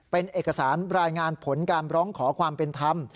เป็นเอกสารรายงานผลการร้องขอความเป็นธรรม